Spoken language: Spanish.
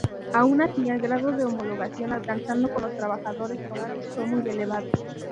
Aun así el grado de homologación alcanzado con los trabajadores forales fue muy elevado.